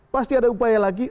pasti ada upaya lagi